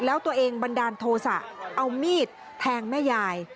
แล้วตัวเองบันดาลโทษะเอามีดแทงแม่ยาย